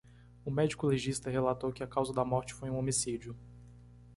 O médico legista relatou que a causa da morte foi um homicídio.